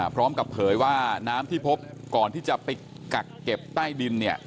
พร้อมกับเผยว่าน้ำที่พบก่อนที่จะไปกักเก็บใต้ดิน